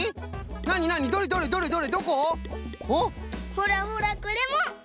ほらほらこれも！